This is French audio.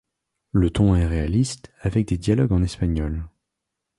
Le ton est réaliste, avec des dialogues en espagnol.